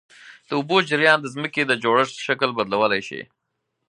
د اوبو جریان د ځمکې د جوړښت شکل بدلولی شي.